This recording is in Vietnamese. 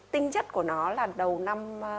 tinh chất của nó là đầu năm